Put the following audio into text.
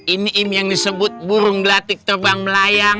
ini im yang disebut burung gelatik terbang melayang